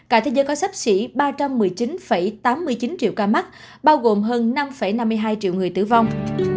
cả thế giới có sắp xỉ ba trăm một mươi chín tám mươi chín triệu ca mắc bao gồm hơn năm năm mươi hai triệu người tử vong